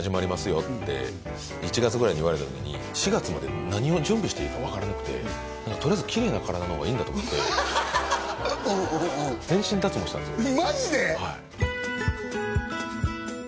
よって１月ぐらいに言われた時に４月まで何を準備していいか分からなくてとりあえずキレイな体の方がいいんだと思ってうんうんうん全身脱毛したんですよ